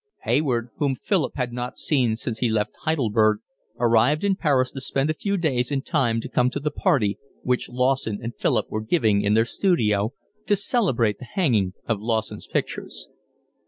Hayward, whom Philip had not seen since he left Heidelberg, arrived in Paris to spend a few days in time to come to the party which Lawson and Philip were giving in their studio to celebrate the hanging of Lawson's pictures.